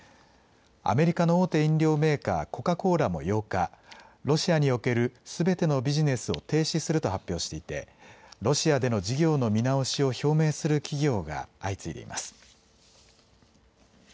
アメリカの大手飲料メーカー、コカ・コーラも８日、ロシアにおけるすべてのビジネスを停止すると発表していてロシアでの事業の見直しを表明する企業が相次いでいます。